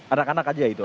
anak anak aja itu